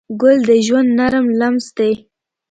ګل د ژوند نرم لمس دی.